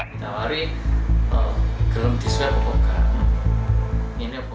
kita taruh di gelombang di sisi pokoknya